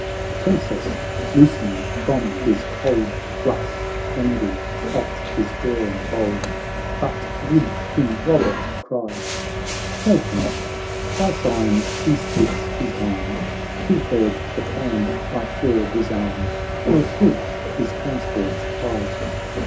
— The princess, loosened from his hold Blushed angry at his bearing bold; Eut good Kins Robert cried, "Chafe not— by signs he speaks his mind, He heard the plan my care designed, Nor could his transports hide.